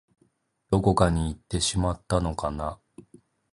どこかにいってしまったのかな